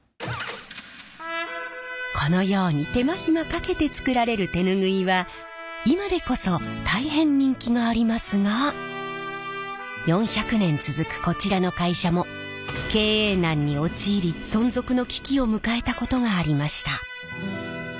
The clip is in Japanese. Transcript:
このように手間暇かけて作られる手ぬぐいは今でこそ大変人気がありますが４００年続くこちらの会社も経営難に陥り存続の危機を迎えたことがありました。